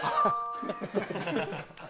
ハハハ！